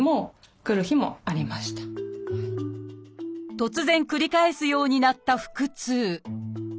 突然繰り返すようになった腹痛。